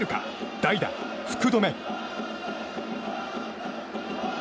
代打・福留。